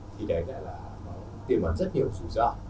thì đấy lại là một tiềm vấn rất nhiều dụ do